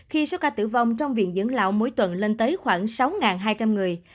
khi số ca tử vong trong viện dẫn lão mỗi tuần lên tới khoảng sáu hai trăm linh người